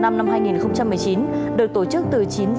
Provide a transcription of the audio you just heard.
năm hai nghìn một mươi chín được tổ chức